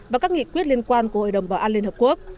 và các nghị quyết liên quan của hội đồng bảo an liên hợp quốc